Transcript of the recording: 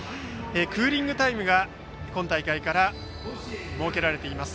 クーリングタイムが今大会から設けられています。